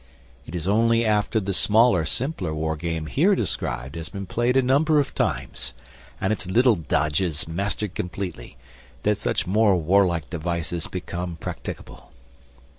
It is only after the smaller simpler war game here described has been played a number of times, and its little dodges mastered completely, that such more warlike devices become practicable.